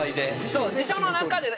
そう辞書の中で。